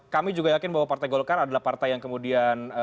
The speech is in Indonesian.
kami juga yakin bahwa partai golkar adalah partai yang kemudian